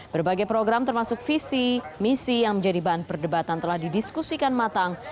berbagai program termasuk visi misi yang menjadi bahan perdebatan telah didiskusikan matang